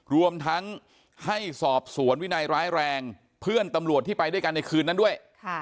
รวมทั้งให้สอบสวนวินัยร้ายแรงเพื่อนตำรวจที่ไปด้วยกันในคืนนั้นด้วย